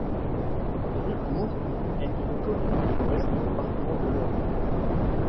Drucourt est une commune de l'ouest du département de l'Eure.